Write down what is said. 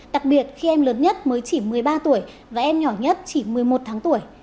đặc biệt khi em lớn nhất mới chỉ một mươi ba tuổi và em nhỏ nhất chỉ một mươi một tháng tuổi